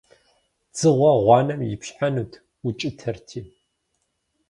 Дзыгъуэ гъуанэм ипщхьэнут, укӀытэрти.